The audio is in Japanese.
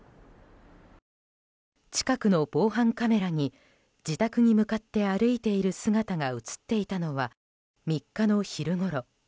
近くの防犯カメラに自宅に向かって歩いている姿が映っていたのは３日の昼ごろ。